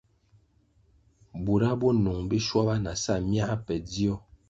Bura bo nung biswaba na sa myā pe dzio.